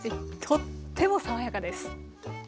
とっても爽やかです。